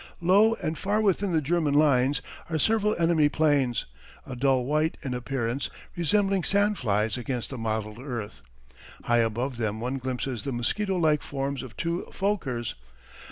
Low, and far within the German lines, are several enemy planes, a dull white in appearance, resembling sandflies against the mottled earth. High above them one glimpses the mosquito like forms of two Fokkers.